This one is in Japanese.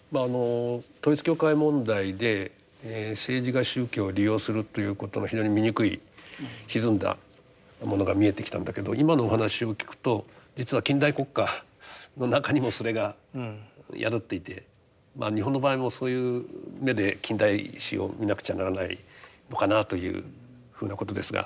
統一教会問題で政治が宗教を利用するっていうことの非常に醜いひずんだものが見えてきたんだけど今のお話を聞くと実は近代国家の中にもそれが宿っていてまあ日本の場合もそういう目で近代史を見なくちゃならないのかなというふうなことですが。